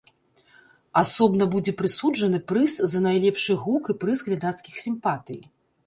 Асобна будзе прысуджаны прыз за найлепшы гук і прыз глядацкіх сімпатый.